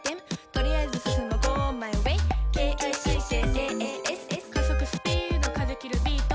とりあえず進もＧＯＭＹＷＡＹＫＩＣＫＡＳＳ加速スピード風切るビート